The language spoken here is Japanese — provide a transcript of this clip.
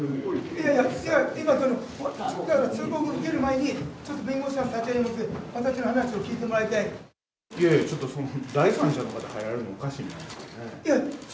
いやいや、だから通告受ける前に、ちょっと弁護士さん立ち会いの下で私の話を聞いてもらいたいやいやちょっと、第三者の方入られるの、おかしいんじゃないですかね。